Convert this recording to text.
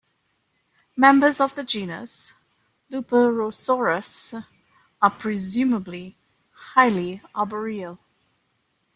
Members of the genus "Luperosaurus" are presumably highly arboreal.